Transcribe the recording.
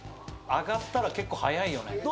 上がったら結構早いよね。